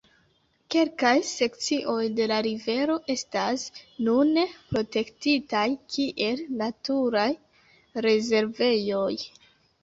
Kelkaj sekcioj de la rivero estas nune protektitaj kiel naturaj rezervejoj.